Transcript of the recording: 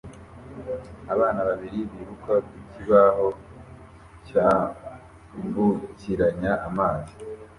Abana babiri biruka ku kibaho cyambukiranya amazi